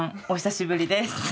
お久しぶりです。